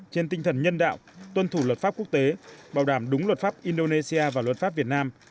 trên tinh thần nhân đạo tuân thủ luật pháp quốc tế bảo đảm đúng luật pháp indonesia và luật pháp việt nam